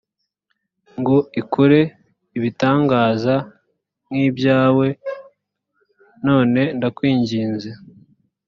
ngo ikore ibitangaza nk ibyawe none ndakwinginze